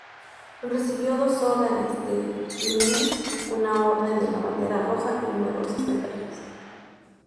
Recibió dos Órdenes de Lenin, una Orden de la Bandera Roja y numerosas medallas.